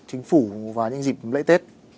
chính phủ và những dịp lễ tết